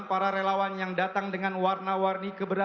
para relawan yang datang dengan warna warni keberadaan